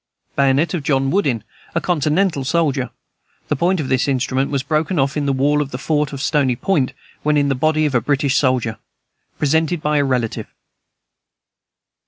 Bayonet of John Woodin, a continental soldier. The point of this instrument was broken off in the wall of the fort at Stony Point, when in the body of a British soldier. Presented by a relative.